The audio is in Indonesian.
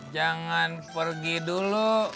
jangan pergi dulu